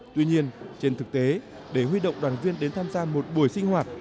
tuy nhiên trên thực tế để huy động đoàn viên đến tham gia một buổi sinh hoạt